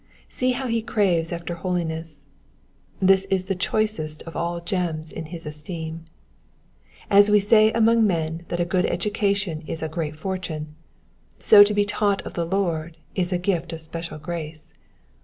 See how he craves after holiness ; this is the choicest of all gems in his esteem. As we say among men that a good education is a great fortune, so to be taught of the Lord is a gift of special grace.